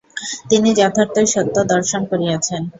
তিনি যথার্থই সত্য দর্শন করিয়াছেন।